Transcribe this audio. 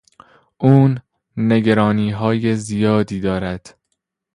او نگرانیهای زیادی دارد.